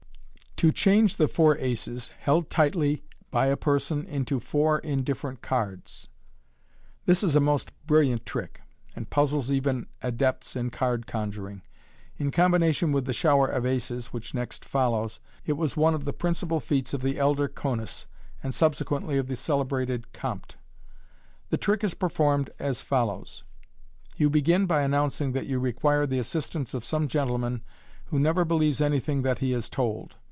To Change the Four Aces, held tightly by a Person^ into Four Indifferent Cards. — This is a most brilliant trick, and puzzles even adepts in card conjuring. In combination with the " Shower of Aces," which next follows, it was one ot the prin cipal feats of the Elder Conus, and subsequently of the celebrated Comte. The trick is performed as follows :— You begin by announcing that you require the assistance of some gentleman who never believes anything that he is told.